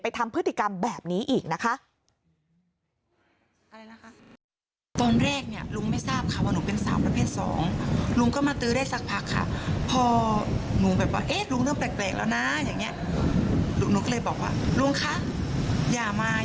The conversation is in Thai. ทำพฤติกรรมแบบนี้อีกนะคะ